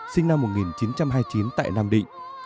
sinh năm một nghìn chín trăm hai mươi chín tại nam định